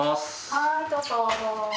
はいどうぞ。